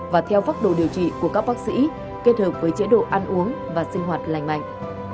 và theo pháp đồ điều trị của các bác sĩ kết hợp với chế độ ăn uống và sinh hoạt lành mạnh